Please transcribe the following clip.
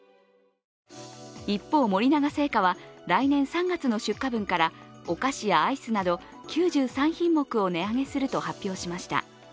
一方、森永製菓は来年３月の出荷分からお菓子やアイスなど９３品目を値上げすると発表しました。